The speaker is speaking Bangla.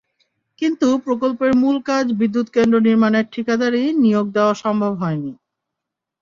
কিন্তু প্রকল্পের মূল কাজ বিদ্যুৎকেন্দ্র নির্মাণের ঠিকাদারই নিয়োগ দেওয়া সম্ভব হয়নি।